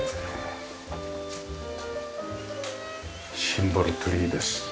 シンボルツリーです。